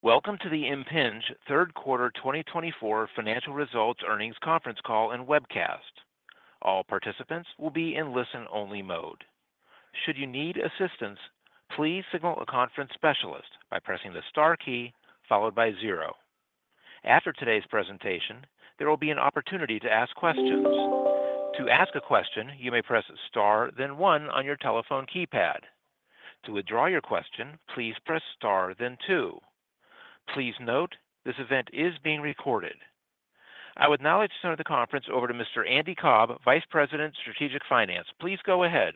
Welcome to the Impinj Q3 2024 Financial Results Earnings Conference Call and Webcast. All participants will be in listen-only mode. Should you need assistance, please signal a conference specialist by pressing the star key followed by zero. After today's presentation, there will be an opportunity to ask questions. To ask a question, you may press star, then one on your telephone keypad. To withdraw your question, please press star, then two. Please note, this event is being recorded. I would now like to turn the conference over to Mr. Andy Cobb, Vice President, Strategic Finance. Please go ahead.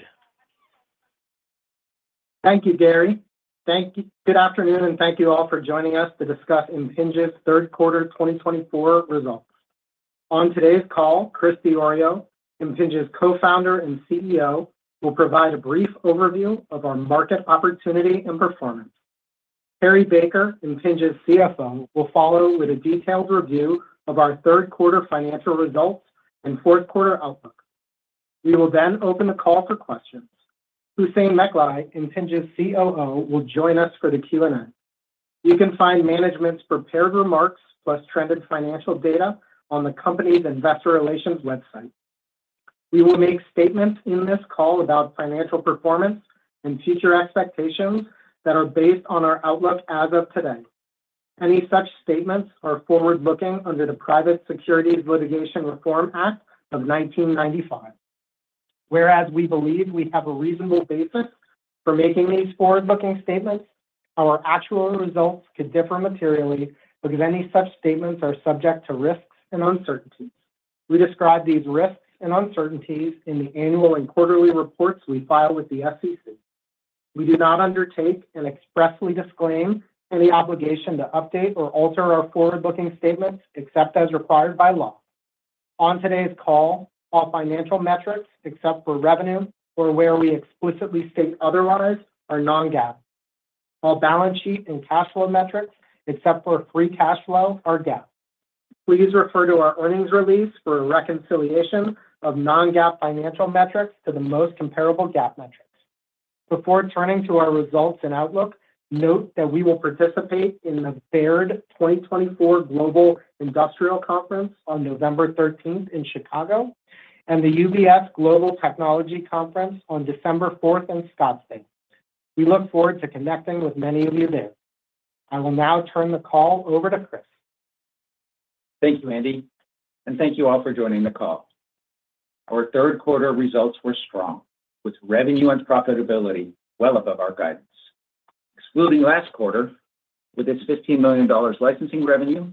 Thank you, Gary. Thank you. Good afternoon, and thank you all for joining us to discuss Impinj's third quarter twenty twenty-four results. On today's call, Chris Diorio, Impinj's Co-founder and CEO, will provide a brief overview of our market opportunity and performance. Cary Baker, Impinj's CFO, will follow with a detailed review of our third quarter financial results and fourth quarter outlook. We will then open the call for questions. Hussein Mecklai, Impinj's COO, will join us for the Q&A. You can find management's prepared remarks, plus trended financial data on the company's investor relations website. We will make statements in this call about financial performance and future expectations that are based on our outlook as of today. Any such statements are forward-looking under the Private Securities Litigation Reform Act of 1995. Whereas we believe we have a reasonable basis for making these forward-looking statements, our actual results could differ materially because any such statements are subject to risks and uncertainties. We describe these risks and uncertainties in the annual and quarterly reports we file with the SEC. We do not undertake and expressly disclaim any obligation to update or alter our forward-looking statements, except as required by law. On today's call, all financial metrics, except for revenue or where we explicitly state otherwise, are non-GAAP. All balance sheet and cash flow metrics, except for Free Cash Flow, are GAAP. Please refer to our earnings release for a reconciliation of non-GAAP financial metrics to the most comparable GAAP metrics. Before turning to our results and outlook, note that we will participate in the Baird 2024 Global Industrial Conference on November thirteenth in Chicago, and the UBS Global Technology Conference on December fourth in Scottsdale. We look forward to connecting with many of you there. I will now turn the call over to Chris. Thank you, Andy, and thank you all for joining the call. Our third quarter results were strong, with revenue and profitability well above our guidance. Excluding last quarter, with its $15 million licensing revenue,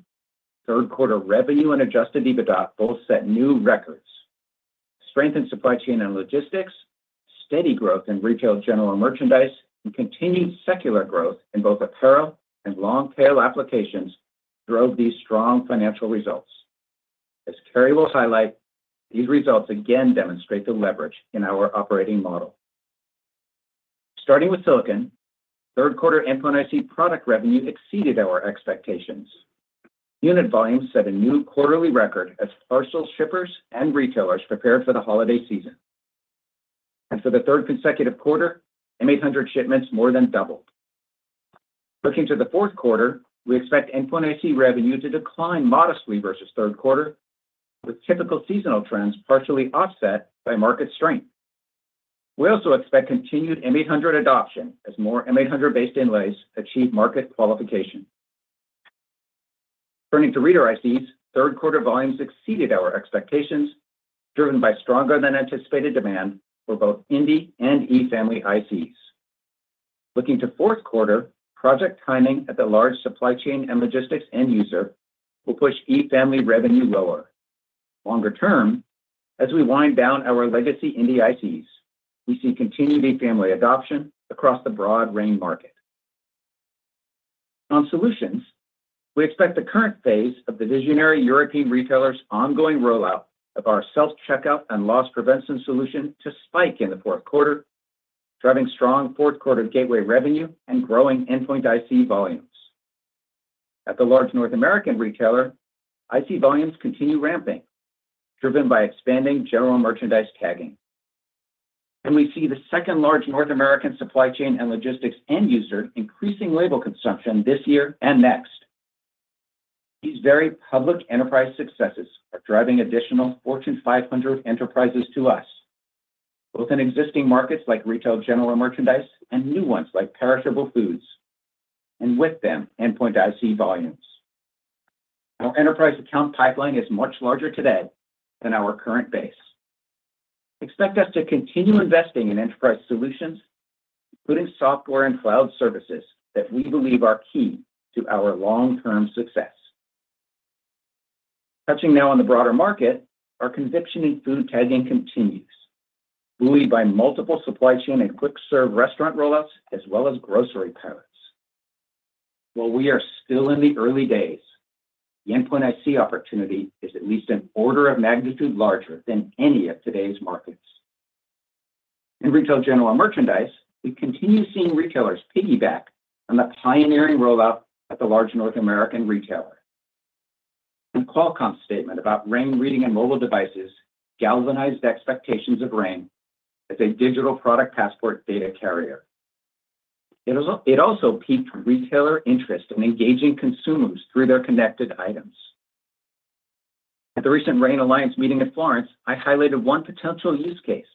third quarter revenue and Adjusted EBITDA both set new records. Strengthened supply chain and logistics, steady growth in retail general merchandise, and continued secular growth in both apparel and long-tail applications drove these strong financial results. As Cary will highlight, these results again demonstrate the leverage in our operating model. Starting with silicon, third quarter Endpoint IC product revenue exceeded our expectations. Unit volumes set a new quarterly record as parcel shippers and retailers prepared for the holiday season, and for the third consecutive quarter, M800 shipments more than doubled. Looking to the fourth quarter, we expect Endpoint IC revenue to decline modestly versus third quarter, with typical seasonal trends partially offset by market strength. We also expect continued M800 adoption as more M800-based inlays achieve market qualification. Turning to Reader ICs, third quarter volumes exceeded our expectations, driven by stronger than anticipated demand for both Indy and E-Family ICs. Looking to fourth quarter, project timing at the large supply chain and logistics end user will push E-family revenue lower. Longer term, as we wind down our legacy Indy ICs, we see continued E-family adoption across the broad range market. On solutions, we expect the current phase of the visionary European retailer's ongoing rollout of our self-checkout and loss prevention solution to spike in the fourth quarter, driving strong fourth quarter gateway revenue and growing endpoint IC volumes. At the large North American retailer, IC volumes continue ramping, driven by expanding general merchandise tagging, and we see the second large North American supply chain and logistics end user increasing label consumption this year and next. These very public enterprise successes are driving additional Fortune 500 enterprises to us, both in existing markets like retail general merchandise and new ones like perishable foods, and with them, endpoint IC volumes. Our enterprise account pipeline is much larger today than our current base. Expect us to continue investing in enterprise solutions, including software and cloud services that we believe are key to our long-term success. Touching now on the broader market, our conviction in food tagging continues, buoyed by multiple supply chain and quick serve restaurant rollouts, as well as grocery pilots. While we are still in the early days, the endpoint IC opportunity is at least an order of magnitude larger than any of today's markets. In retail general merchandise, we continue seeing retailers piggyback on the pioneering rollout at the large North American retailer. And Qualcomm's statement about RAIN reading and mobile devices galvanized expectations of RAIN as a Digital Product Passport data carrier. It also piqued retailer interest in engaging consumers through their connected items. At the recent RAIN Alliance meeting in Florence, I highlighted one potential use case,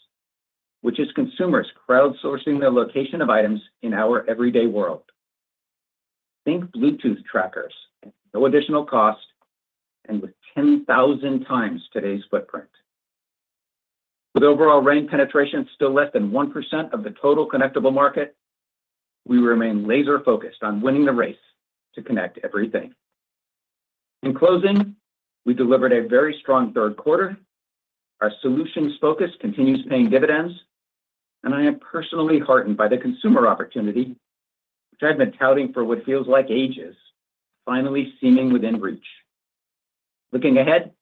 which is consumers crowdsourcing the location of items in our everyday world. Think Bluetooth trackers, at no additional cost, and with 10,000 times today's footprint. With overall RAIN penetration still less than 1% of the total connectable market, we remain laser-focused on winning the race to connect everything. In closing, we delivered a very strong third quarter. Our solutions focus continues paying dividends, and I am personally heartened by the consumer opportunity, which I've been touting for what feels like ages, finally seeming within reach. Looking ahead,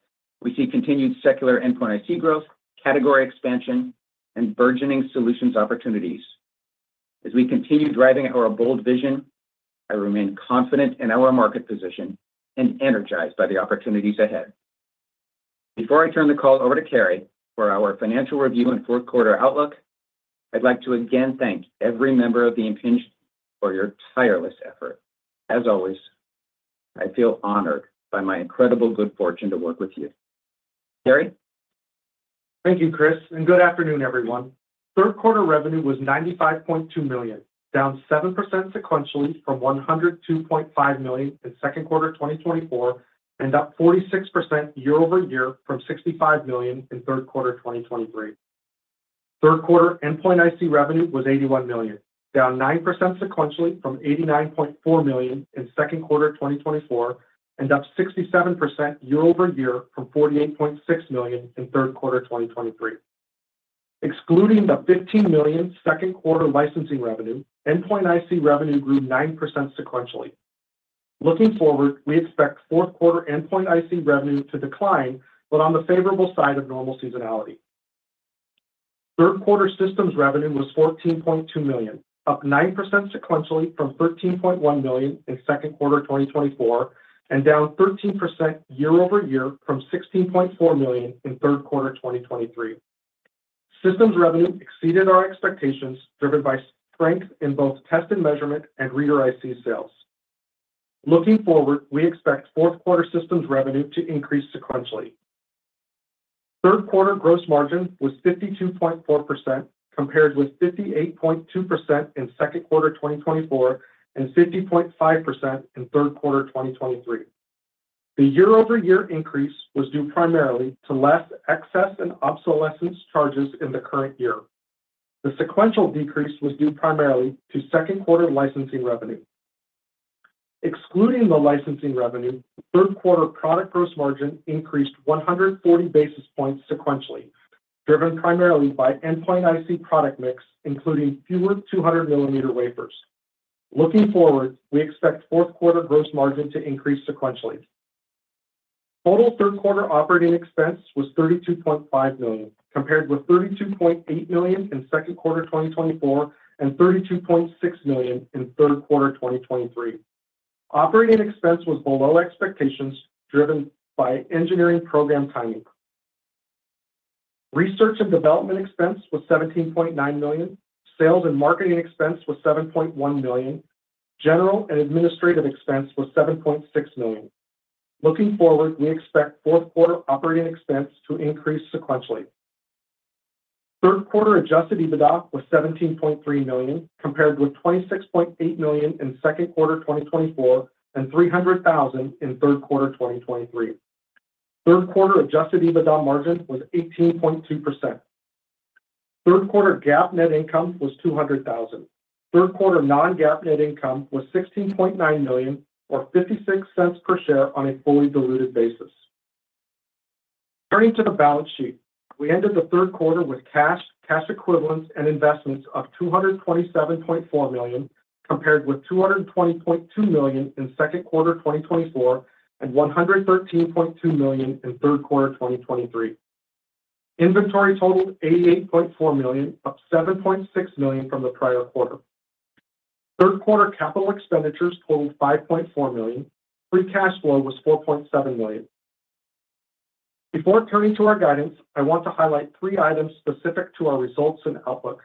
we see continued secular endpoint IC growth, category expansion, and burgeoning solutions opportunities. As we continue driving our bold vision, I remain confident in our market position and energized by the opportunities ahead. Before I turn the call over to Cary for our financial review and fourth quarter outlook, I'd like to again thank every member of the Impinj for your tireless effort. As always, I feel honored by my incredible good fortune to work with you. Cary? Thank you, Chris, and good afternoon, everyone. Third quarter revenue was $95.2 million, down 7% sequentially from $102.5 million in second quarter 2024, and up 46% year over year from $65 million in third quarter 2023. Third quarter Endpoint IC revenue was $81 million, down 9% sequentially from $89.4 million in second quarter 2024, and up 67% year over year from $48.6 million in third quarter 2023. Excluding the $15 million second quarter licensing revenue, Endpoint IC revenue grew 9% sequentially. Looking forward, we expect fourth quarter Endpoint IC revenue to decline, but on the favorable side of normal seasonality. Third quarter Systems Revenue was $14.2 million, up 9% sequentially from $13.1 million in second quarter 2024, and down 13% year over year from $16.4 million in third quarter 2023. Systems Revenue exceeded our expectations, driven by strength in both test and measurement and reader IC sales. Looking forward, we expect fourth quarter Systems Revenue to increase sequentially. Third quarter Gross Margin was 52.4%, compared with 58.2% in second quarter 2024, and 50.5% in third quarter 2023. The year-over-year increase was due primarily to less excess and obsolescence charges in the current year. The sequential decrease was due primarily to second quarter licensing revenue. Excluding the licensing revenue, third quarter product Gross Margin increased 140 basis points sequentially, driven primarily by Endpoint IC product mix, including fewer 200 millimeter wafers. Looking forward, we expect fourth quarter Gross Margin to increase sequentially. Total third quarter operating expense was $32.5 million, compared with $32.8 million in second quarter 2024, and $32.6 million in third quarter 2023. Operating expense was below expectations, driven by engineering program timing. Research and development expense was $17.9 million. Sales and marketing expense was $7.1 million. General and administrative expense was $7.6 million. Looking forward, we expect fourth quarter operating expense to increase sequentially. Third quarter Adjusted EBITDA was $17.3 million, compared with $26.8 million in second quarter 2024, and $300,000 in third quarter 2023. Third quarter adjusted EBITDA margin was 18.2%. Third quarter GAAP net income was $200,000. Third quarter Non-GAAP Net Income was $16.9 million, or $0.56 per share on a fully diluted basis. Turning to the balance sheet, we ended the third quarter with cash, cash equivalents, and investments of $227.4 million, compared with $220.2 million in second quarter 2024, and $113.2 million in third quarter 2023. Inventory totaled $88.4 million, up $7.6 million from the prior quarter. Third quarter capital expenditures totaled $5.4 million. Free Cash Flow was $4.7 million. Before turning to our guidance, I want to highlight three items specific to our results and outlook.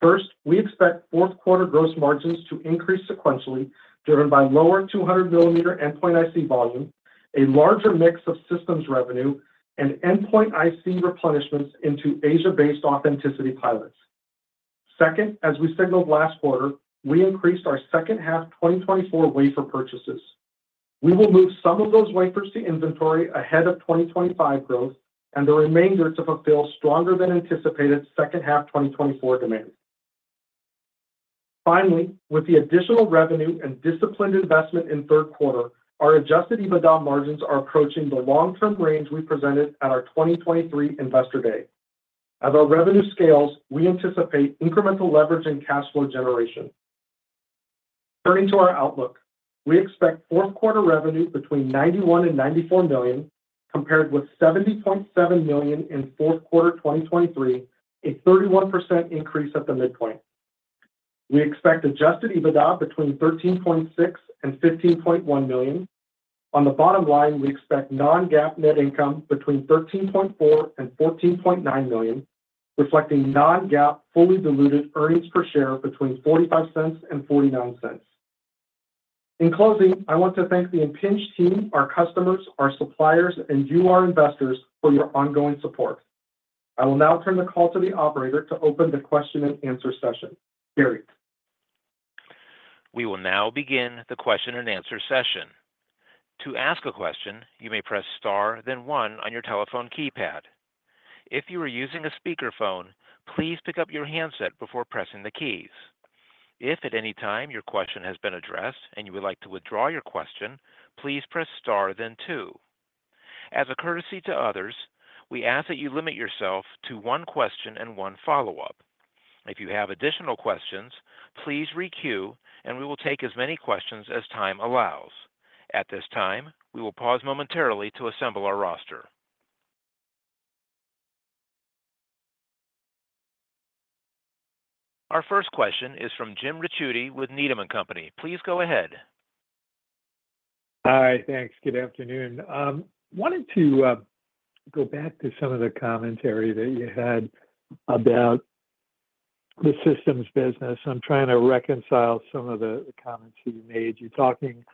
First, we expect fourth quarter Gross Margins to increase sequentially, driven by lower 200 millimeter endpoint IC volume, a larger mix of Systems Revenue, and endpoint IC replenishments into Asia-based authenticity pilots. Second, as we signaled last quarter, we increased our second half 2024 wafer purchases. We will move some of those wafers to inventory ahead of 2025 growth and the remainder to fulfill stronger than anticipated second half 2024 demand. Finally, with the additional revenue and disciplined investment in third quarter, our adjusted EBITDA margins are approaching the long-term range we presented at our 2023 Investor Day. As our revenue scales, we anticipate incremental leverage and cash flow generation. Turning to our outlook, we expect fourth quarter revenue between $91 million and $94 million, compared with $70.7 million in fourth quarter 2023, a 31% increase at the midpoint. We expect Adjusted EBITDA between $13.6 million and $15.1 million. On the bottom line, we expect Non-GAAP Net Income between $13.4 million and $14.9 million, reflecting non-GAAP fully diluted earnings per share between $0.45 and $0.49. In closing, I want to thank the Impinj team, our customers, our suppliers, and you, our investors, for your ongoing support. I will now turn the call to the operator to open the question and answer session. Gary? We will now begin the question and answer session. To ask a question, you may press Star, then One on your telephone keypad. If you are using a speakerphone, please pick up your handset before pressing the keys. If at any time your question has been addressed and you would like to withdraw your question, please press Star, then Two. As a courtesy to others, we ask that you limit yourself to one question and one follow-up. If you have additional questions, please re-queue, and we will take as many questions as time allows. At this time, we will pause momentarily to assemble our roster. Our first question is from Jim Ricchiuti with Needham & Company. Please go ahead. Hi, thanks. Good afternoon. Wanted to go back to some of the commentary that you had about the systems business. I'm trying to reconcile some of the comments that you made. You're talking,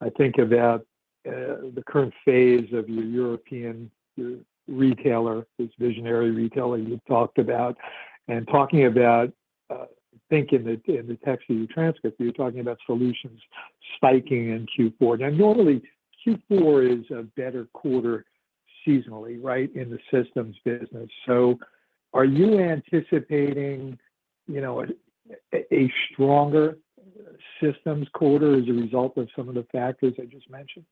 I think, about the current phase of your European retailer, this visionary retailer you talked about, and talking about thinking that in the text of your transcript, you're talking about solutions spiking in Q4. Now, normally, Q4 is a better quarter seasonally, right, in the systems business. So are you anticipating, you know, a stronger systems quarter as a result of some of the factors I just mentioned?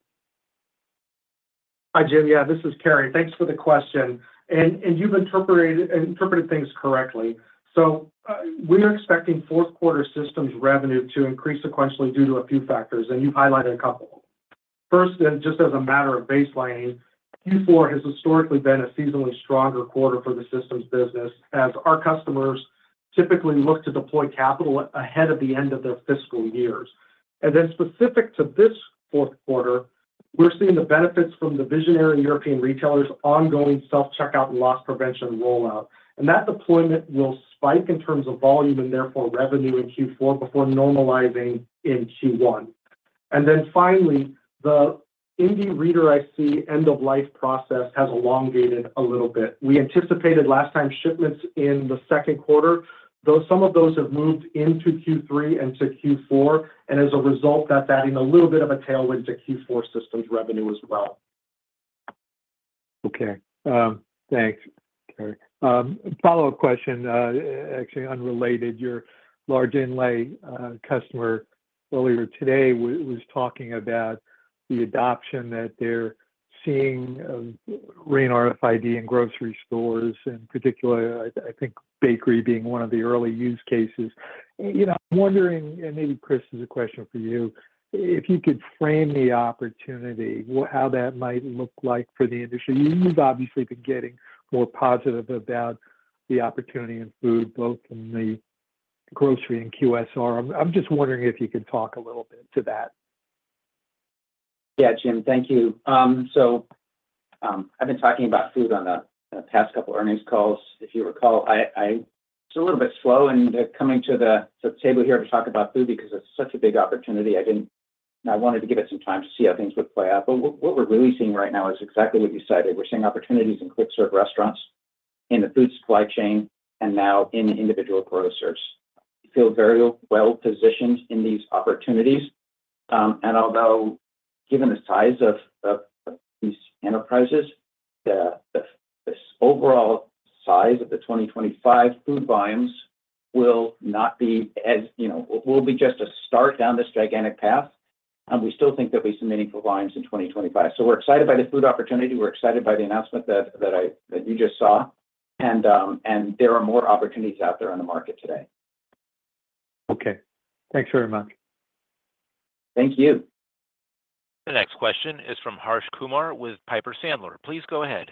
Hi, Jim. Yeah, this is Cary. Thanks for the question, and you've interpreted things correctly. So, we are expecting fourth quarter Systems Revenue to increase sequentially due to a few factors, and you've highlighted a couple. First, and just as a matter of baselining, Q4 has historically been a seasonally stronger quarter for the systems business, as our customers typically look to deploy capital ahead of the end of their fiscal years. And then specific to this fourth quarter, we're seeing the benefits from the visionary European retailers' ongoing self-checkout and loss prevention rollout. And that deployment will spike in terms of volume and therefore revenue in Q4 before normalizing in Q1. And then finally, the Indy reader IC end-of-life process has elongated a little bit. We anticipated last time shipments in the second quarter, though some of those have moved into Q3 and to Q4, and as a result, that's adding a little bit of a tailwind to Q4 Systems Revenue as well. Okay. Thanks, Cary. Follow-up question, actually unrelated. Your large inlay customer earlier today was talking about the adoption that they're seeing, RAIN RFID in grocery stores, and particularly, I think bakery being one of the early use cases. You know, I'm wondering, and maybe Chris, this is a question for you, if you could frame the opportunity, what - how that might look like for the industry. You've obviously been getting more positive about the opportunity in food, both in the grocery and QSR. I'm just wondering if you could talk a little bit to that. Yeah, Jim. Thank you. So, I've been talking about food on the past couple earnings calls, if you recall. It's a little bit slow in coming to the table here to talk about food because it's such a big opportunity. I didn't-- I wanted to give it some time to see how things would play out. But what we're really seeing right now is exactly what you said. We're seeing opportunities in quick serve restaurants, in the food supply chain, and now in individual grocers. We feel very well-positioned in these opportunities. And although, given the size of these enterprises, the overall size of the twenty twenty-five food volumes will not be as, you know, will be just a start down this gigantic path, and we still think there'll be some meaningful volumes in twenty twenty-five. We're excited by the food opportunity. We're excited by the announcement that you just saw, and there are more opportunities out there in the market today. Okay. Thanks very much. Thank you. The next question is from Harsh Kumar with Piper Sandler. Please go ahead.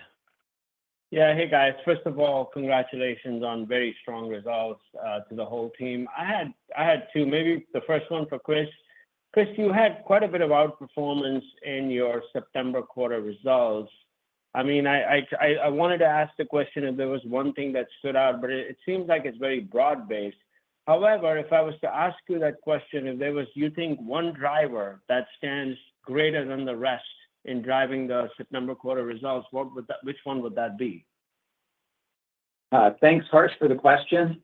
Yeah. Hey, guys. First of all, congratulations on very strong results to the whole team. I had two, maybe the first one for Chris. Chris, you had quite a bit of outperformance in your September quarter results. I mean, I wanted to ask the question if there was one thing that stood out, but it seems like it's very broad-based. However, if I was to ask you that question, if there was, you think, one driver that stands greater than the rest in driving the September quarter results, what would that—which one would that be? Thanks, Harsh, for the question.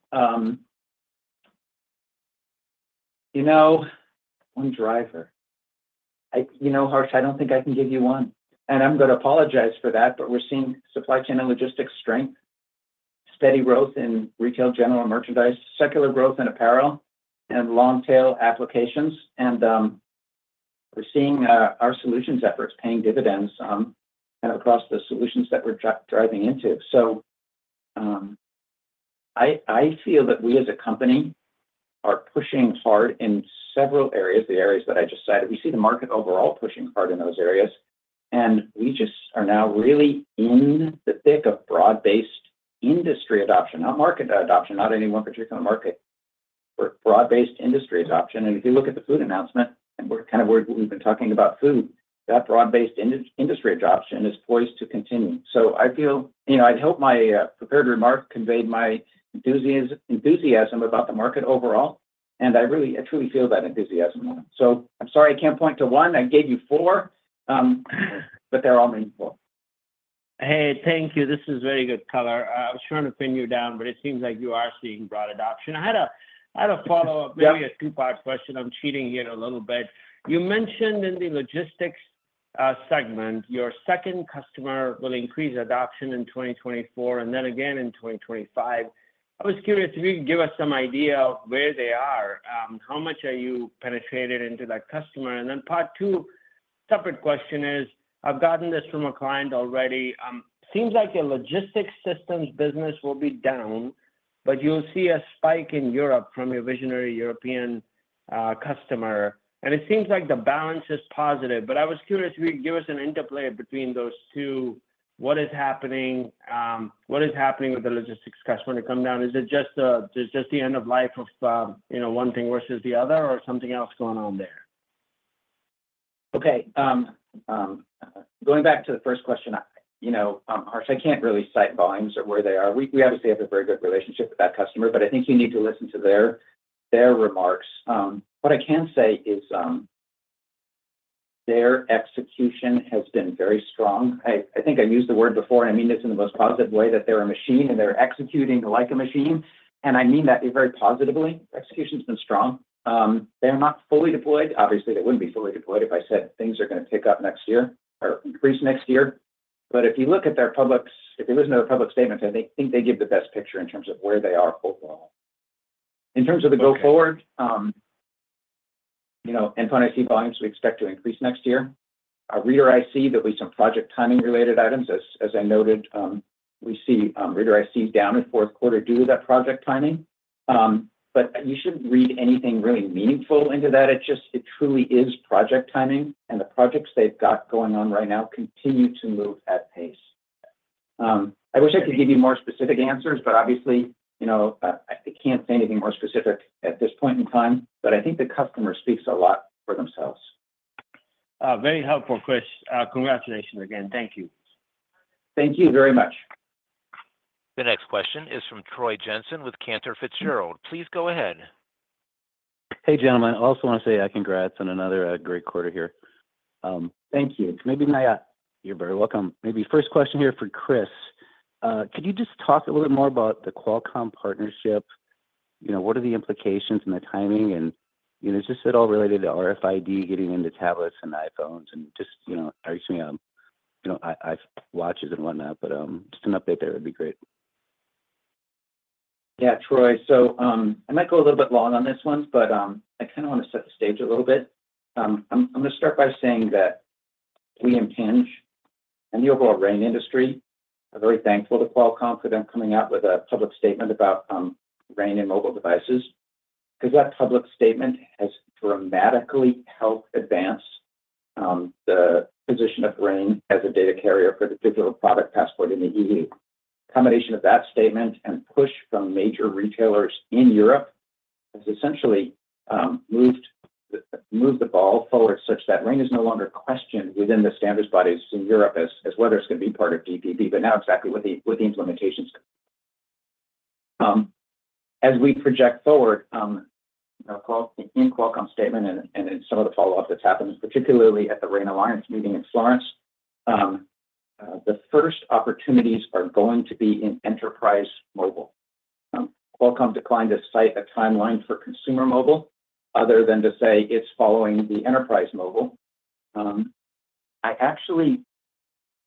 You know, one driver. You know, Harsh, I don't think I can give you one, and I'm gonna apologize for that, but we're seeing supply chain and logistics strength, steady growth in retail, general, and merchandise, secular growth in apparel, and long-tail applications. We're seeing our solutions efforts paying dividends and across the solutions that we're driving into. I feel that we as a company are pushing hard in several areas, the areas that I just said. We see the market overall pushing hard in those areas, and we just are now really in the thick of broad-based industry adoption, not market adoption, not any one particular market, but broad-based industry adoption. And if you look at the food announcement, and we're kind of where we've been talking about food, that broad-based industry adoption is poised to continue. So I feel, you know, I'd hope my prepared remark conveyed my enthusiasm about the market overall, and I really, I truly feel that enthusiasm. So I'm sorry I can't point to one. I gave you four, but they're all meaningful. Hey, thank you. This is very good color. I was trying to pin you down, but it seems like you are seeing broad adoption. I had a follow-up- Yeah... maybe a two-part question. I'm cheating here a little bit. You mentioned in the logistics segment, your second customer will increase adoption in 2024 and then again in 2025. I was curious if you could give us some idea of where they are, how much are you penetrated into that customer? And then part two, separate question is, I've gotten this from a client already, seems like your logistics systems business will be down, but you'll see a spike in Europe from your visionary European customer, and it seems like the balance is positive. But I was curious if you could give us an interplay between those two. What is happening with the logistics customer to come down? Is it just the end of life of, you know, one thing versus the other, or something else going on there? Okay. Going back to the first question, you know, Harsh, I can't really cite volumes of where they are. We obviously have a very good relationship with that customer, but I think you need to listen to their remarks. What I can say is, their execution has been very strong. I think I've used the word before, and I mean this in the most positive way, that they're a machine, and they're executing like a machine, and I mean that very positively. Execution's been strong. They're not fully deployed. Obviously, they wouldn't be fully deployed if I said things are gonna pick up next year or increase next year. But if you listen to their public statements, I think they give the best picture in terms of where they are overall. Okay. In terms of the go forward, you know, endpoint IC volumes, we expect to increase next year. Our reader IC, there'll be some project timing-related items. As I noted, we see Reader ICs down in fourth quarter due to that project timing. But you shouldn't read anything really meaningful into that. It just. It truly is project timing, and the projects they've got going on right now continue to move at pace. I wish I could give you more specific answers, but obviously, you know, I can't say anything more specific at this point in time, but I think the customer speaks a lot for themselves. Very helpful, Chris. Congratulations again. Thank you. Thank you very much. The next question is from Troy Jensen with Cantor Fitzgerald. Please go ahead. Hey, gentlemen. I also want to say, congrats on another, great quarter here. Thank you. Maybe my, You're very welcome. Maybe first question here for Chris. Could you just talk a little bit more about the Qualcomm partnership? You know, what are the implications and the timing, and, you know, is this at all related to RFID getting into tablets and iPhones and just, you know, excuse me, you know, iWatches and whatnot, but, just an update there would be great. Yeah, Troy. So, I might go a little bit long on this one, but, I kinda wanna set the stage a little bit. I'm gonna start by saying that we Impinj, and the overall RAIN industry are very thankful to Qualcomm for them coming out with a public statement about RAIN and mobile devices. 'Cause that public statement has dramatically helped advance the position of RAIN as a data carrier for the digital product passport in the EU. Combination of that statement and push from major retailers in Europe has essentially moved the ball forward such that RAIN is no longer questioned within the standards bodies in Europe as whether it's gonna be part of DPP, but now exactly what the implementation is. As we project forward, you know, Qualcomm statement and, and in some of the follow-up that's happened, particularly at the RAIN Alliance meeting in Florence, the first opportunities are going to be in enterprise mobile. Qualcomm declined to cite a timeline for consumer mobile, other than to say it's following the enterprise mobile. I actually,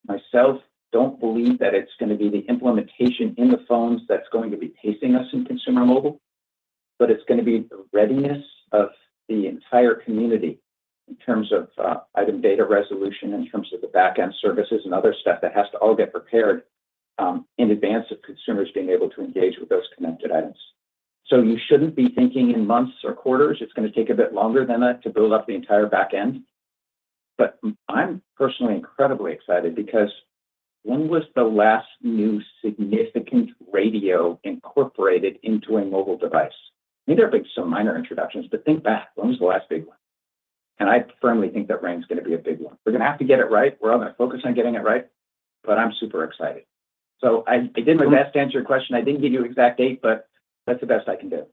myself, don't believe that it's gonna be the implementation in the phones that's going to be pacing us in consumer mobile, but it's gonna be the readiness of the entire community in terms of, item data resolution, in terms of the back-end services and other stuff that has to all get prepared, in advance of consumers being able to engage with those connected items. So you shouldn't be thinking in months or quarters. It's gonna take a bit longer than that to build up the entire back end. But I'm personally incredibly excited, because when was the last new significant radio incorporated into a mobile device? Maybe there have been some minor introductions, but think back, when was the last big one? And I firmly think that RAIN is gonna be a big one. We're gonna have to get it right. We're gonna focus on getting it right, but I'm super excited. So I, I did my best to answer your question. I didn't give you an exact date, but that's the best I can do.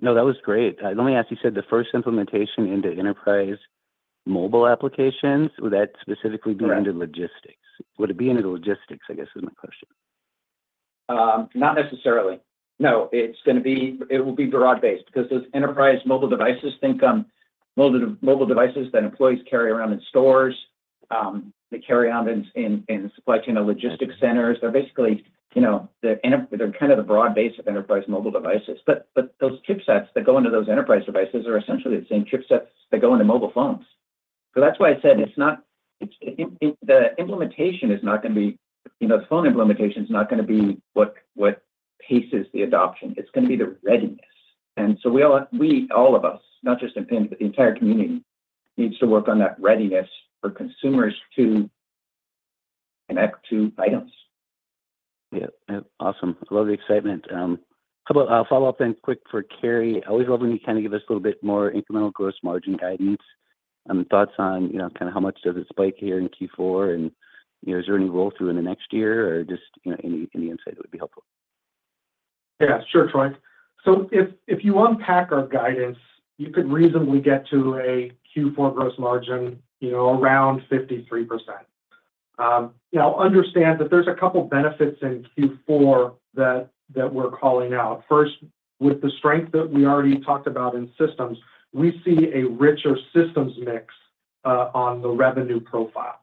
No, that was great. Let me ask, you said the first implementation into enterprise mobile applications, would that specifically be? Yeah... under logistics? Would it be under the logistics, I guess, is my question? Not necessarily. No, it's gonna be. It will be broad-based because those enterprise mobile devices, mobile devices that employees carry around in stores, they carry around in supply chain or logistics centers. They're basically, you know, they're kind of the broad base of enterprise mobile devices. But those chipsets that go into those enterprise devices are essentially the same chipsets that go into mobile phones. So that's why I said it's not. The implementation is not gonna be, you know, phone implementation is not gonna be what paces the adoption. It's gonna be the readiness. And so we all, all of us, not just NXP, but the entire community, needs to work on that readiness for consumers to connect to items. Yeah. Awesome. Love the excitement. How about a follow-up and quick for Cary? Always welcome you to kind of give us a little bit more incremental Gross Margin guidance and thoughts on, you know, kind of how much does it spike here in Q4, and, you know, is there any roll-through in the next year, or just, you know, any insight would be helpful. Yeah, sure, Troy. So if you unpack our guidance, you could reasonably get to a Q4 Gross Margin, you know, around 53%. Now understand that there's a couple benefits in Q4 that we're calling out. First, with the strength that we already talked about in systems, we see a richer systems mix on the revenue profile.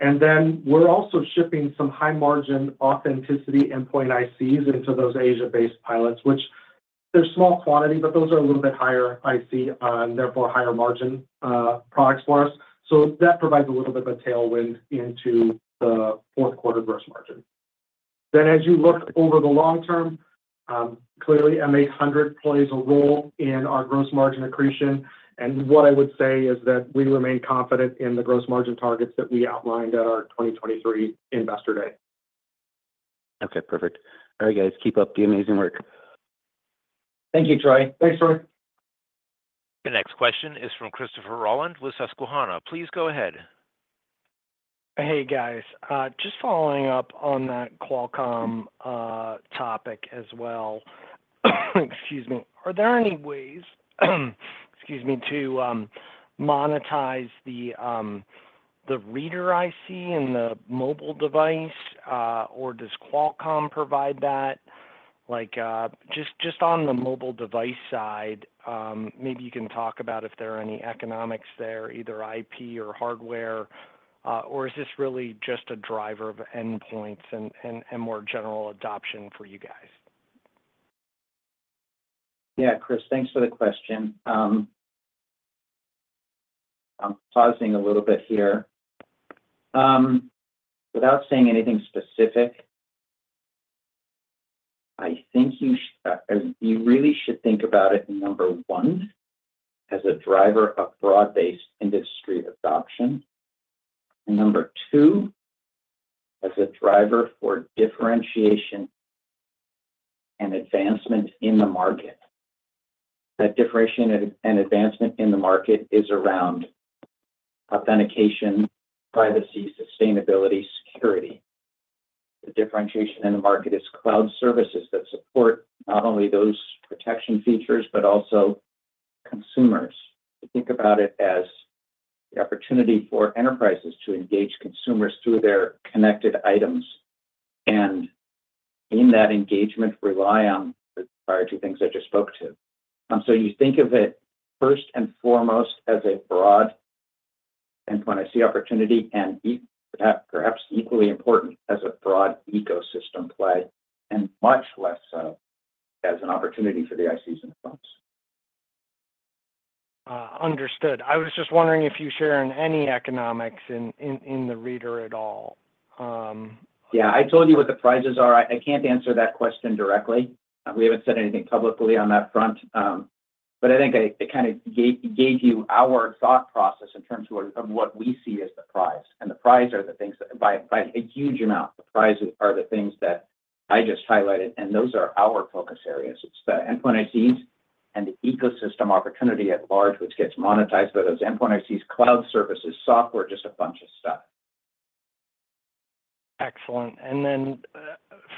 And then we're also shipping some high-margin authenticity endpoint ICs into those Asia-based pilots, which they're small quantity, but those are a little bit higher IC, therefore, higher margin products for us. So that provides a little bit of a tailwind into the fourth quarter Gross Margin. As you look over the long term, clearly, M800 plays a role in our Gross Margin accretion, and what I would say is that we remain confident in the Gross Margin targets that we outlined at our 2023 Investor Day. Okay, perfect. All right, guys, keep up the amazing work. Thank you, Troy. Thanks, Troy. The next question is from Christopher Rolland with Susquehanna. Please go ahead. Hey, guys. Just following up on that Qualcomm topic as well. Are there any ways to monetize the reader IC in the mobile device, or does Qualcomm provide that? Like, just on the mobile device side, maybe you can talk about if there are any economics there, either IP or hardware, or is this really just a driver of endpoints and more general adoption for you guys? Yeah, Chris, thanks for the question. I'm pausing a little bit here. Without saying anything specific, I think you really should think about it, number one, as a driver of broad-based industry adoption, and number two, as a driver for differentiation and advancement in the market. That differentiation and advancement in the market is around authentication, privacy, sustainability, security. The differentiation in the market is cloud services that support not only those protection features, but also consumers. Think about it as the opportunity for enterprises to engage consumers through their connected items, and in that engagement, rely on the prior two things I just spoke to. So you think of it first and foremost as a broad endpoint IC opportunity, and perhaps, perhaps equally important as a broad ecosystem play, and much less so as an opportunity for the ICs and clouds. Understood. I was just wondering if you're sharing any economics in the reader at all. Yeah, I told you what the prices are. I can't answer that question directly. We haven't said anything publicly on that front. But I think it kind of gave you our thought process in terms of what we see as the prize. And the prize are the things that by a huge amount, the prizes are the things that I just highlighted, and those are our focus areas. It's the endpoint ICs and the ecosystem opportunity at large, which gets monetized by those endpoint ICs, cloud services, software, just a bunch of stuff. Excellent. And then,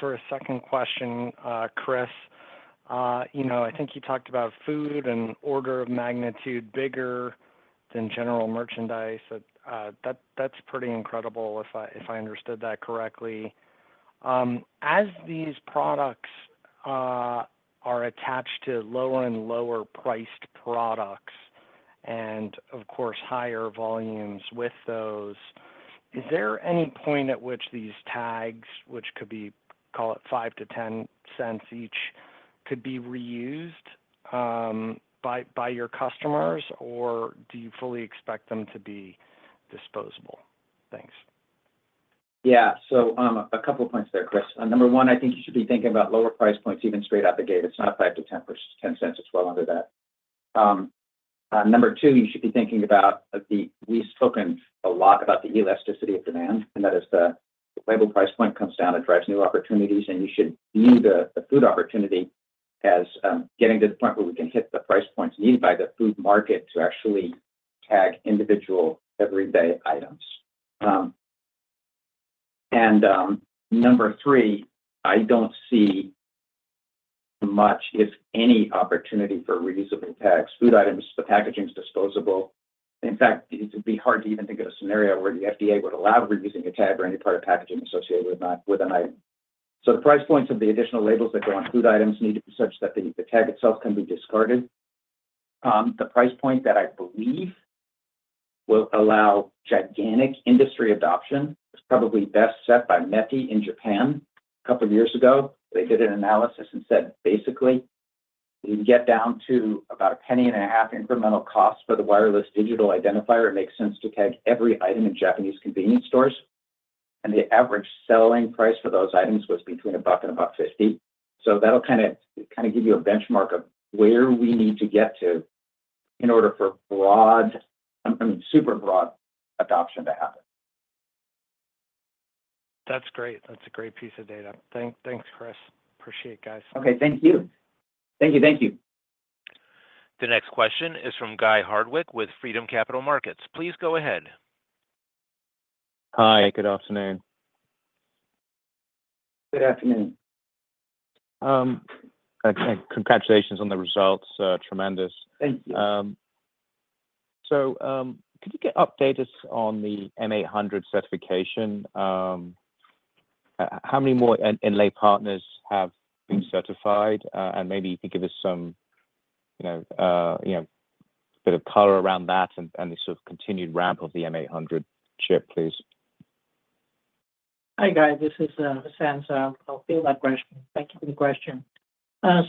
for a second question, Chris, you know, I think you talked about food and order of magnitude bigger than general merchandise. That, that's pretty incredible, if I, if I understood that correctly. As these products are attached to lower and lower priced products and, of course, higher volumes with those, is there any point at which these tags, which could be, call it 5-10 cents each, could be reused, by, by your customers, or do you fully expect them to be disposable? Thanks. Yeah. So, a couple of points there, Chris. Number one, I think you should be thinking about lower price points even straight out the gate. It's not 5%-10%, $0.10, it's well under that. Number two, you should be thinking about we've spoken a lot about the elasticity of demand, and that is the label price point comes down, it drives new opportunities, and you should view the food opportunity as getting to the point where we can hit the price points needed by the food market to actually tag individual everyday items. And number three, I don't see much, if any, opportunity for reusably tagged food items. The packaging is disposable. In fact, it would be hard to even think of a scenario where the FDA would allow reusing a tag or any part of packaging associated with an item. So the price points of the additional labels that go on food items need to be such that the tag itself can be discarded. The price point that I believe will allow gigantic industry adoption is probably best set by METI in Japan. A couple of years ago, they did an analysis and said, basically, if you can get down to about $0.015 incremental cost for the wireless digital identifier, it makes sense to tag every item in Japanese convenience stores, and the average selling price for those items was between $1 and $1.50. So that'll kind of give you a benchmark of where we need to get to in order for broad, super broad adoption to happen. That's great. That's a great piece of data. Thanks, thanks, Chris. Appreciate it, guys. Okay, thank you. Thank you, thank you. The next question is from Guy Hardwick with Freedom Capital Markets. Please go ahead. Hi, good afternoon. Good afternoon. Congratulations on the results, tremendous. Thank you. Could you update us on the M800 certification? How many more inlay partners have been certified, and maybe you could give us some, you know, bit of color around that and the sort of continued ramp of the M800 chip, please. Hi, Guy, this is Hussein. I'll field that question. Thank you for the question.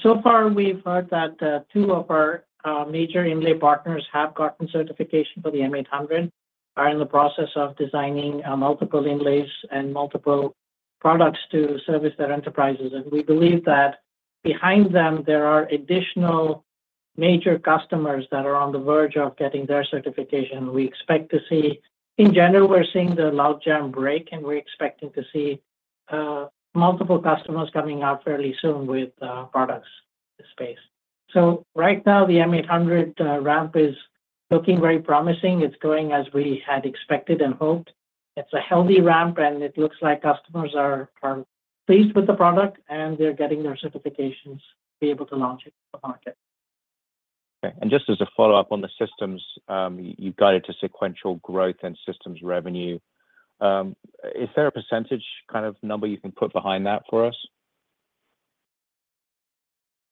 So far we've heard that two of our major inlay partners have gotten certification for the M800, are in the process of designing multiple inlays and multiple products to service their enterprises. And we believe that behind them, there are additional major customers that are on the verge of getting their certification. We expect to see. In general, we're seeing the logjam break, and we're expecting to see multiple customers coming out fairly soon with products in the space. So right now, the M800 ramp is looking very promising. It's going as we had expected and hoped. It's a healthy ramp, and it looks like customers are pleased with the product, and they're getting their certifications to be able to launch it to the market. Okay, and just as a follow-up on the systems, you've guided to sequential growth and Systems Revenue, is there a percentage kind of number you can put behind that for us?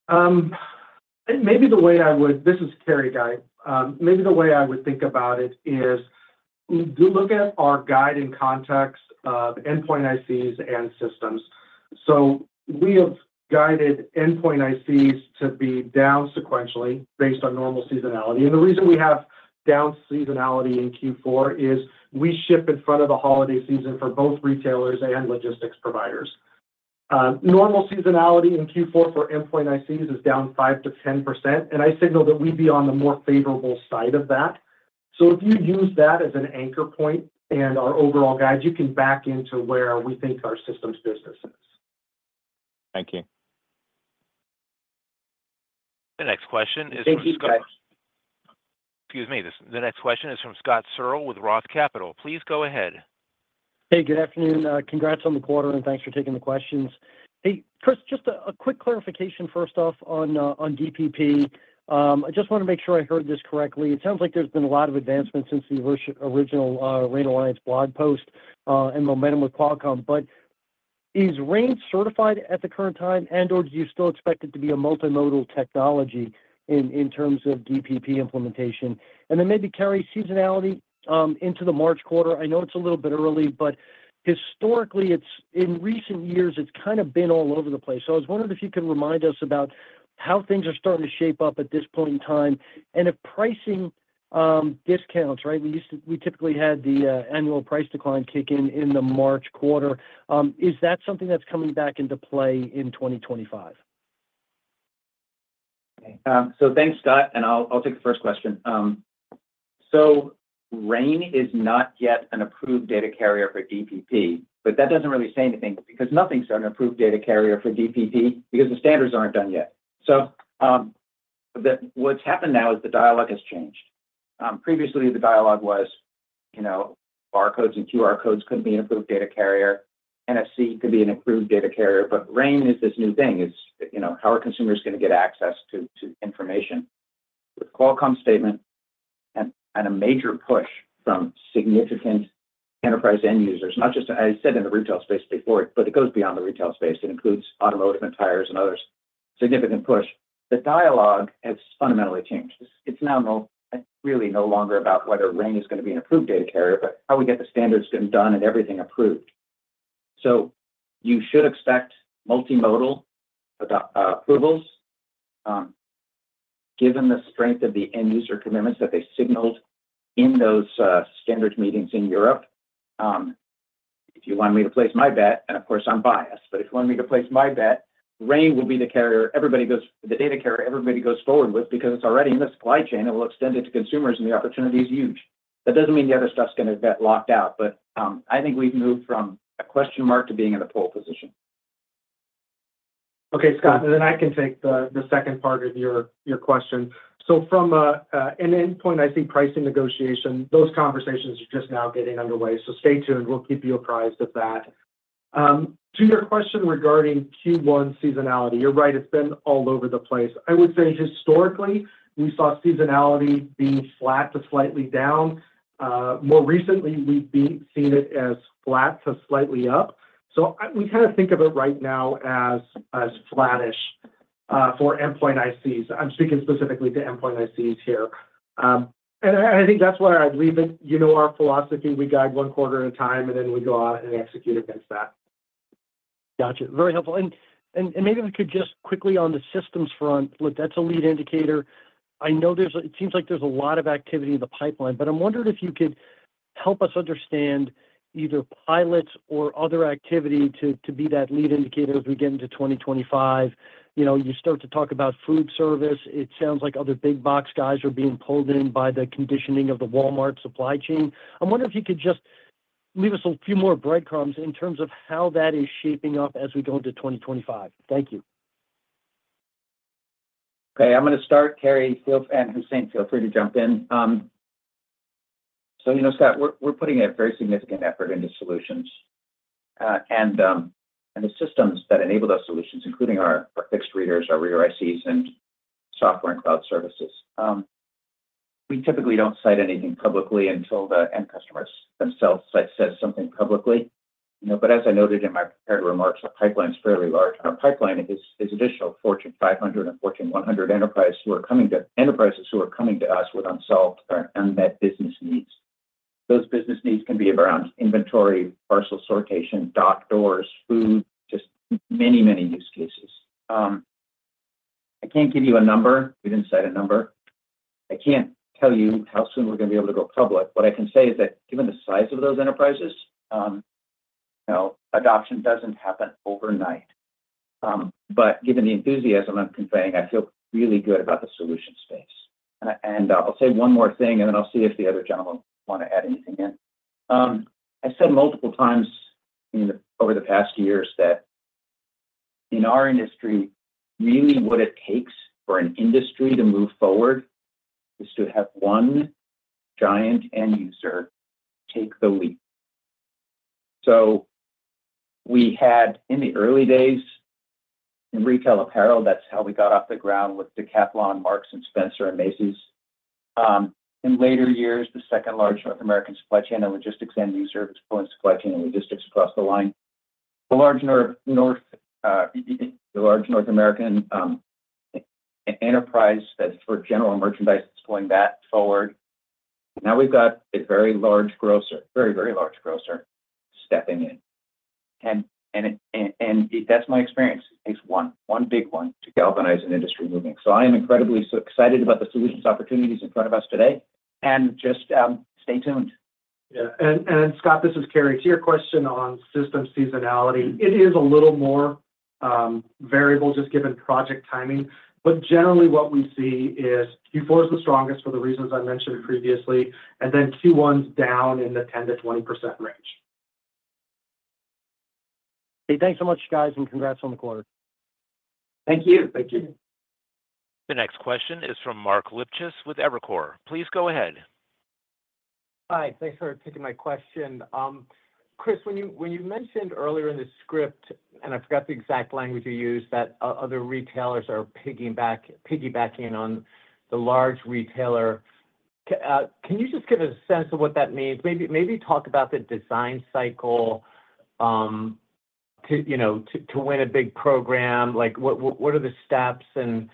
This is Cary, Guy. Maybe the way I would think about it is do look at our guide in context of endpoint ICs and systems. So we have guided endpoint ICs to be down sequentially based on normal seasonality. And the reason we have down seasonality in Q4 is we ship in front of the holiday season for both retailers and logistics providers. Normal seasonality in Q4 for endpoint ICs is down 5%-10%, and I signal that we'd be on the more favorable side of that. So if you use that as an anchor point and our overall guide, you can back into where we think our systems business is. Thank you. The next question is from- Thank you, Guy. Excuse me. The next question is from Scott Searle with Roth Capital. Please go ahead. Hey, good afternoon. Congrats on the quarter, and thanks for taking the questions. Hey, Chris, just a quick clarification first off on DPP. I just want to make sure I heard this correctly. It sounds like there's been a lot of advancement since the original RAIN Alliance blog post, and momentum with Qualcomm, but is RAIN certified at the current time, and/or do you still expect it to be a multimodal technology in terms of DPP implementation? And then maybe, Carrie, seasonality into the March quarter. I know it's a little bit early, but historically, it's, in recent years, it's kind of been all over the place. So I was wondering if you could remind us about how things are starting to shape up at this point in time, and if pricing discounts, right? We used to, we typically had the annual price decline kick in in the March quarter. Is that something that's coming back into play in 2025? So thanks, Scott, and I'll take the first question. So RAIN is not yet an approved data carrier for DPP, but that doesn't really say anything because nothing's an approved data carrier for DPP, because the standards aren't done yet. So what's happened now is the dialogue has changed. Previously, the dialogue was, you know, barcodes and QR codes could be an approved data carrier, NFC could be an approved data carrier, but RAIN is this new thing. It's, you know, how are consumers going to get access to information? With Qualcomm statement and a major push from significant enterprise end users, not just, as I said, in the retail space before, but it goes beyond the retail space. It includes automotive and tires and others. Significant push. The dialogue has fundamentally changed. It's now really no longer about whether RAIN is going to be an approved data carrier, but how we get the standards getting done and everything approved. You should expect multimodal adoption approvals, given the strength of the end user commitments that they signaled in those standards meetings in Europe. If you want me to place my bet, and of course, I'm biased, but if you want me to place my bet, RAIN will be the carrier everybody goes the data carrier everybody goes forward with, because it's already in the supply chain. It will extend it to consumers, and the opportunity is huge. That doesn't mean the other stuff's going to get locked out, but I think we've moved from a question mark to being in a pole position. Okay, Scott, and then I can take the second part of your question. So from an endpoint, I see pricing negotiation, those conversations are just now getting underway, so stay tuned. We'll keep you apprised of that. To your question regarding Q1 seasonality, you're right, it's been all over the place. I would say historically, we saw seasonality being flat to slightly down. More recently, we've seen it as flat to slightly up. So we kind of think of it right now as flattish for endpoint ICs. I'm speaking specifically to endpoint ICs here. And I think that's where I'd leave it. You know our philosophy, we guide one quarter at a time, and then we go out and execute against that. ... Gotcha. Very helpful. And maybe we could just quickly on the systems front, look, that's a lead indicator. I know there's. It seems like there's a lot of activity in the pipeline, but I'm wondering if you could help us understand either pilots or other activity to be that lead indicator as we get into twenty twenty-five. You know, you start to talk about food service. It sounds like other big box guys are being pulled in by the conditioning of the Walmart supply chain. I'm wondering if you could just leave us a few more breadcrumbs in terms of how that is shaping up as we go into twenty twenty-five. Thank you. Okay, I'm gonna start, Cary, Phil, and Hussein, feel free to jump in. So you know, Scott, we're putting a very significant effort into solutions, and the systems that enable those solutions, including our fixed readers, our Reader ICs, and software and cloud services. We typically don't cite anything publicly until the end customers themselves cite, says something publicly. You know, but as I noted in my prepared remarks, the pipeline is fairly large. Our pipeline is additional Fortune 500 and Fortune 100 enterprises who are coming to us with unsolved or unmet business needs. Those business needs can be around inventory, parcel sortation, dock doors, food, just many, many use cases. I can't give you a number. We didn't cite a number. I can't tell you how soon we're gonna be able to go public. What I can say is that given the size of those enterprises, you know, adoption doesn't happen overnight. But given the enthusiasm I'm conveying, I feel really good about the solution space. And I, I'll say one more thing, and then I'll see if the other gentlemen want to add anything in. I said multiple times in over the past years that in our industry, really what it takes for an industry to move forward is to have one giant end user take the lead. So we had, in the early days in retail apparel, that's how we got off the ground with Decathlon, Marks & Spencer, and Macy's. In later years, the second largest North American supply chain and logistics end user is pulling supply chain and logistics across the line. The large North American enterprise, that's for general merchandise is pulling back forward. Now we've got a very large grocer, very, very large grocer stepping in. And that's my experience. It takes one big one to galvanize an industry moving. So I am incredibly so excited about the solutions opportunities in front of us today, and just stay tuned. Yeah. And, and Scott, this is Cary. To your question on system seasonality, it is a little more variable, just given project timing. But generally, what we see is Q4 is the strongest for the reasons I mentioned previously, and then Q1's down in the 10%-20% range. Hey, thanks so much, guys, and congrats on the quarter. Thank you. Thank you. The next question is from Mark Lipacis with Evercore. Please go ahead. Hi, thanks for taking my question. Chris, when you mentioned earlier in the script, and I forgot the exact language you used, that other retailers are piggybacking on the large retailer, can you just give a sense of what that means? Maybe talk about the design cycle, to, you know, to win a big program. Like, what are the steps? And,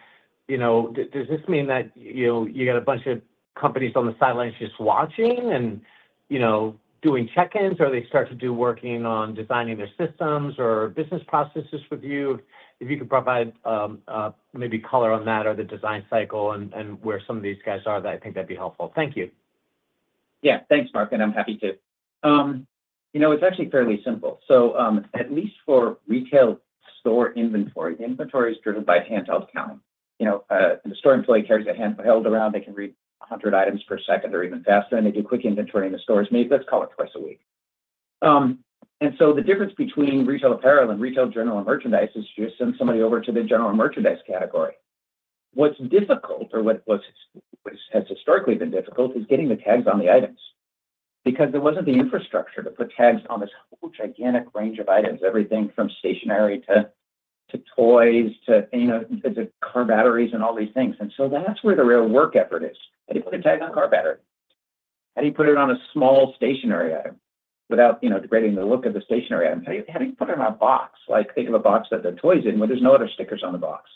you know, does this mean that, you know, you got a bunch of companies on the sidelines just watching and, you know, doing check-ins, or they start to do working on designing their systems or business processes with you? If you could provide, maybe color on that or the design cycle and where some of these guys are, I think that'd be helpful. Thank you. Yeah. Thanks, Mark, and I'm happy to. You know, it's actually fairly simple. So, at least for retail store inventory, inventory is driven by handheld counting. You know, the store employee carries a handheld around, they can read 100 items per second or even faster, and they do quick inventory, and the store is mapped, let's call it twice a week. And so the difference between retail apparel and retail general merchandise is you send somebody over to the general merchandise category. What's difficult or what was-- what has historically been difficult is getting the tags on the items because there wasn't the infrastructure to put tags on this whole gigantic range of items, everything from stationery to toys, to, you know, to car batteries and all these things. And so that's where the real work effort is. How do you put a tag on a car battery? How do you put it on a small stationery item without, you know, degrading the look of the stationery item? How do you, how do you put it on a box, like, think of a box that the toy's in, where there's no other stickers on the box?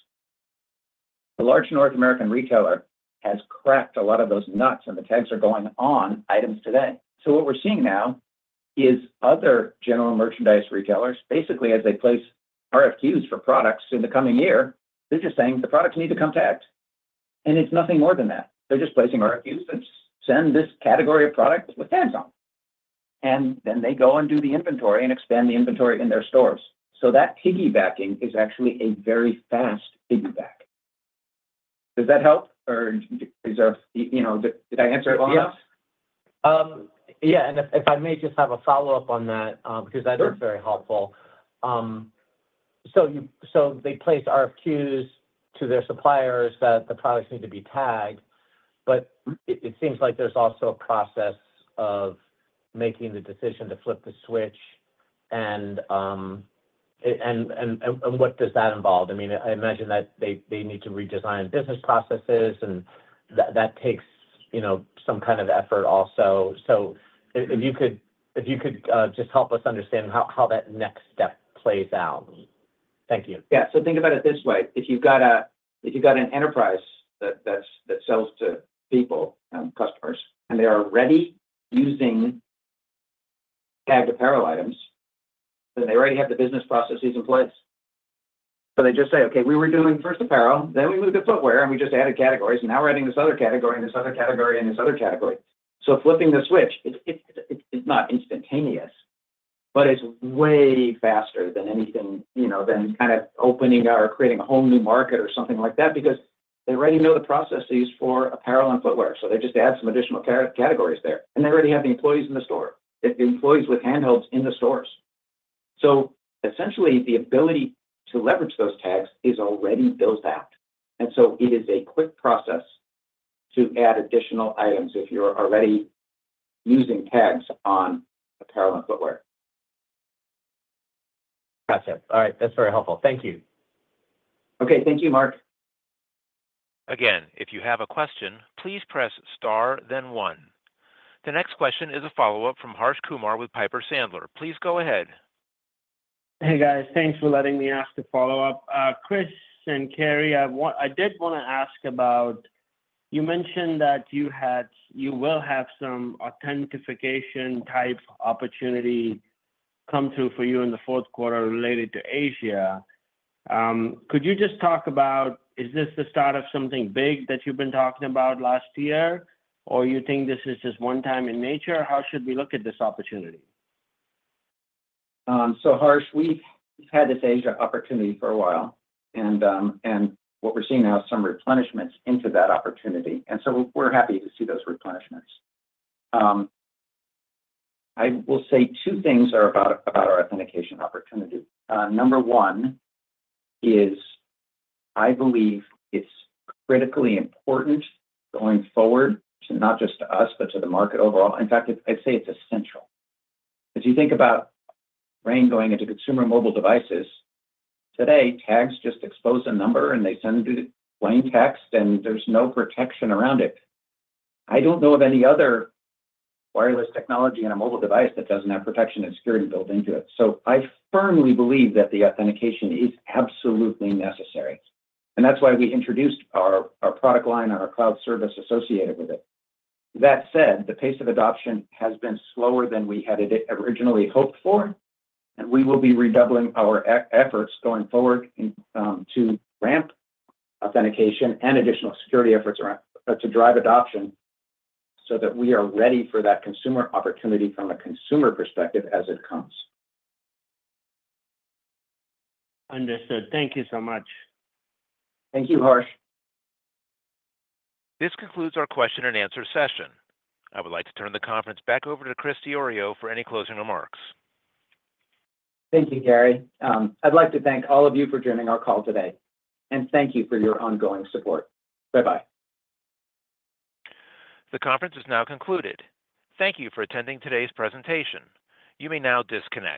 The large North American retailer has cracked a lot of those nuts, and the tags are going on items today. So what we're seeing now is other general merchandise retailers, basically as they place RFQs for products in the coming year, they're just saying, "The products need to come tagged." And it's nothing more than that. They're just placing RFQs and send this category of products with tags on. And then they go and do the inventory and expand the inventory in their stores. So that piggybacking is actually a very fast piggyback. Does that help, or is there... You know, did I answer it well enough? Yes. Yeah, and if I may just have a follow-up on that, because that was- Sure... very helpful. So they place RFQs to their suppliers that the products need to be tagged, but it seems like there's also a process of making the decision to flip the switch, and what does that involve? I mean, I imagine that they need to redesign business processes, and that takes, you know, some kind of effort also. So if you could just help us understand how that next step plays out.... Thank you. Yeah, so think about it this way: if you've got an enterprise that sells to people, customers, and they are already using tagged apparel items, then they already have the business processes in place. So they just say, "Okay, we were doing first apparel, then we moved to footwear, and we just added categories, and now we're adding this other category and this other category and this other category." So flipping the switch, it's not instantaneous, but it's way faster than anything, you know, than kind of opening or creating a whole new market or something like that, because they already know the processes for apparel and footwear, so they just add some additional categories there, and they already have the employees in the store, the employees with handhelds in the stores. So essentially, the ability to leverage those tags is already built out, and so it is a quick process to add additional items if you're already using tags on apparel and footwear. Gotcha. All right, that's very helpful. Thank you. Okay, thank you, Mark. Again, if you have a question, please press star, then one. The next question is a follow-up from Harsh Kumar with Piper Sandler. Please go ahead. Hey, guys. Thanks for letting me ask the follow-up. Chris and Cary, I want-- I did wanna ask about, you mentioned that you had... you will have some authentication type opportunity come through for you in the fourth quarter related to Asia. Could you just talk about, is this the start of something big that you've been talking about last year, or you think this is just one time in nature? How should we look at this opportunity? So, Harsh, we've had this Asia opportunity for a while, and what we're seeing now is some replenishments into that opportunity, and so we're happy to see those replenishments. I will say two things about our authentication opportunity. Number one is I believe it's critically important going forward to not just to us, but to the market overall. In fact, I'd say it's essential. As you think about RAIN going into consumer mobile devices, today, tags just expose a number, and they send it to plain text, and there's no protection around it. I don't know of any other wireless technology in a mobile device that doesn't have protection and security built into it, so I firmly believe that the authentication is absolutely necessary, and that's why we introduced our product line and our cloud service associated with it. That said, the pace of adoption has been slower than we had it originally hoped for, and we will be redoubling our efforts going forward, to ramp authentication and additional security efforts around, to drive adoption, so that we are ready for that consumer opportunity from a consumer perspective as it comes. Understood. Thank you so much. Thank you, Harsh. This concludes our question and answer session. I would like to turn the conference back over to Chris Diorio for any closing remarks. Thank you, Gary. I'd like to thank all of you for joining our call today, and thank you for your ongoing support. Bye-bye. The conference is now concluded. Thank you for attending today's presentation. You may now disconnect.